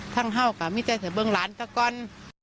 ทั้งเห้ากับมิเศษเบิงล้านก่อน